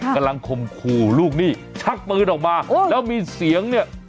คมขู่ลูกหนี้ชักปืนออกมาแล้วมีเสียงเนี่ย